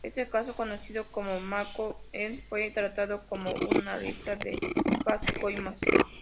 Este caso, conocido como Caso Denham, fue tratado como una arista del Caso Coimas.